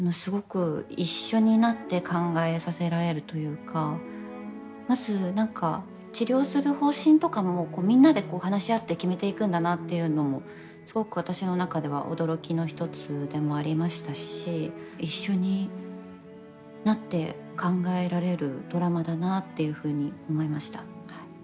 一緒になって考えさせられるというかまず治療する方針とかもみんなで話し合って決めていくんだなっていうのもすごく私の中では驚きの一つでもありましたし一緒になって考えられるドラマだなっていうふうに思いました。